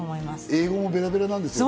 英語もペラペラなんですよね。